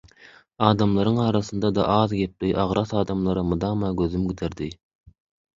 Adamlaryň arasynda-da az gepli, agras adamlara mydama gözüm giderdi.